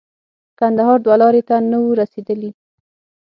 کندهار دوه لارې ته نه وو رسېدلي.